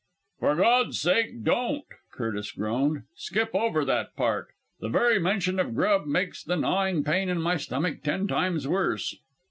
'" "For God's sake, don't!" Curtis groaned. "Skip over that part. The very mention of grub makes the gnawing pain in my stomach ten times worse."